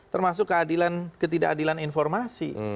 termasuk ketidakadilan informasi